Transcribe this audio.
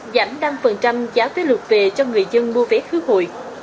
giảm năm giá vé lượt về cho người dân mua vé khứa hội